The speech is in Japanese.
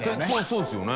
そうですよね。